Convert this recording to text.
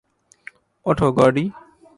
ওঠো, গর্ডি।